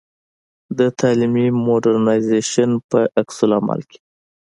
د تعلیمي مډرنیزېشن په عکس العمل کې.